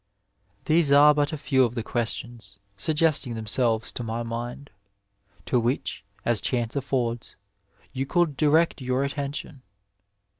These are but a few of the questions suggesting them selves to my mind, to which, as chance affords, you could direct your attention.